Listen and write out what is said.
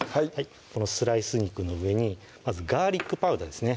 このスライス肉の上にまずガーリックパウダーですね